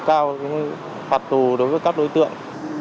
với hình thức cao hoạt tù đối với các đối tượng